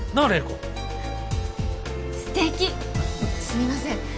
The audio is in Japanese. すみません。